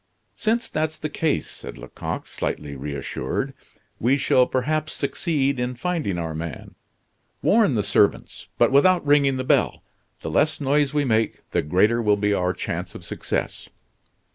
"Since that's the case," said Lecoq, slightly reassured, "we shall perhaps succeed in finding our man. Warn the servants, but without ringing the bell. The less noise we make, the greater will be our chance of success."